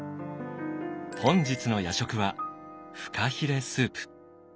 本日の夜食はフカヒレスープ。